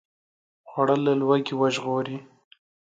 خوړل له لوږې وژغوري